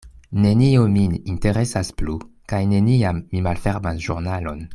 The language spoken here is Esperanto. Nenio min interesas plu; kaj neniam mi malfermas ĵurnalon.